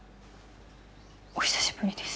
お久しぶりです。